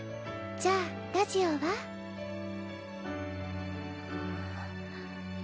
じゃあラジオは？んん。